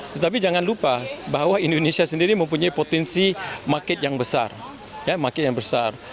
tetapi jangan lupa bahwa indonesia sendiri mempunyai potensi market yang besar